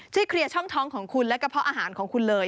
เคลียร์ช่องท้องของคุณและกระเพาะอาหารของคุณเลย